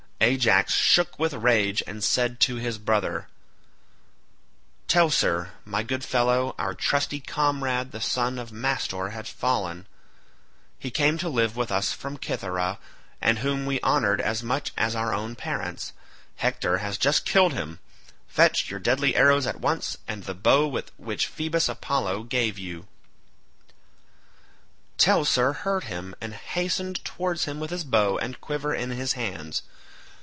Ajax shook with rage and said to his brother, "Teucer, my good fellow, our trusty comrade the son of Mastor has fallen, he came to live with us from Cythera and whom we honoured as much as our own parents. Hector has just killed him; fetch your deadly arrows at once and the bow which Phoebus Apollo gave you." Teucer heard him and hastened towards him with his bow and quiver in his hands.